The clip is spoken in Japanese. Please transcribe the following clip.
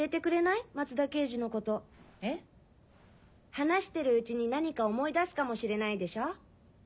話してるうちに何か思い出すかもしれないでしょ？